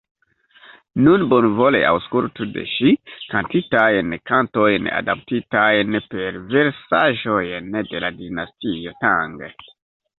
Nun bonvole aŭskultu de ŝi kantitajn kantojn adaptitajn per versaĵoj de la dinastio Tang.